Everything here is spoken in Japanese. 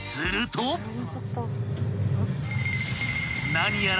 ［何やら］